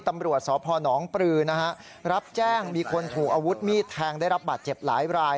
ตำรวจสพนปรือนะฮะรับแจ้งมีคนถูกอาวุธมีดแทงได้รับบาดเจ็บหลายราย